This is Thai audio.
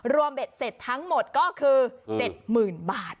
เบ็ดเสร็จทั้งหมดก็คือ๗๐๐๐บาท